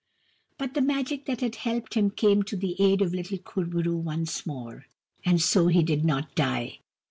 But the Magic that had helped him came to the aid of little Kur bo roo once more, and so he did not die.